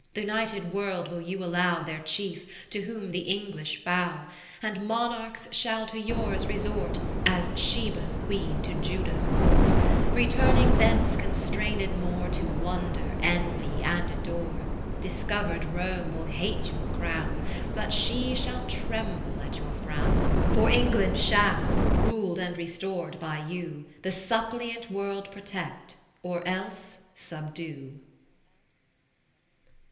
Th' united world will you allow Their Chief, to whom the English bow ; And Monarchs shall to yours resort, As Sheba's Queen to Judah's Court ; Returning thence constrained more To wonder, envy, and adore. 70 Discovered Rome will hate your crown, But she shall tremble at your frown. For England shall (rul'd and restor'd by You) The suppliant world protect, or else subdue.